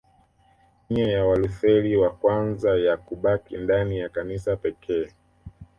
Nia ya Walutheri wa kwanza ya kubaki ndani ya Kanisa pekee